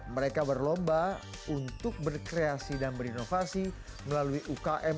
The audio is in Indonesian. mereka berlomba untuk berkreasi dan berinovasi melalui ukm